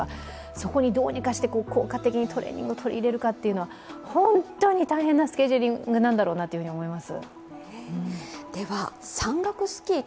そこにどうにかして効果的にトレーニングを取り入れるかというのは、本当に大変なスケジューリングなんだろうなと思います。